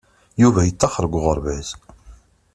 Yuba yeṭṭaxer seg uɣerbaz.